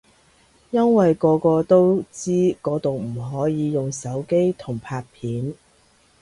因為個個都知嗰度唔可以用手機同拍片